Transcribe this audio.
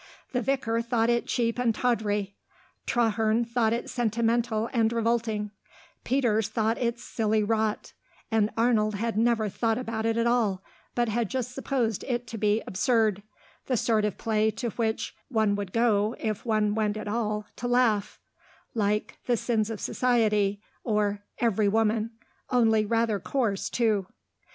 The Vicar thought it cheap and tawdry; Traherne thought it sentimental and revolting; Peters thought it silly rot; and Arnold had never thought about it at all, but had just supposed it to be absurd, the sort of play to which one would go, if one went at all, to laugh; like "The Sins of Society," or "Everywoman," only rather coarse, too.